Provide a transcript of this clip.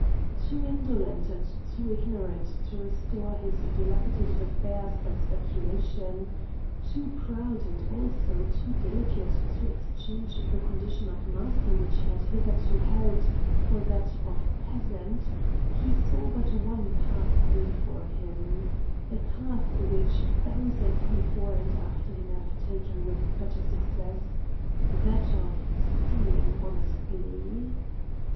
Too indolent and too ignorant to restore his dilapidated affairs by speculation, too proud, and also too delicate to exchange the condition of master which he had hitherto held, for that of peasant, he saw but one path before him a path which thousands before and after him have taken with better success that of stealing honestly.